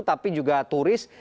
tapi juga turis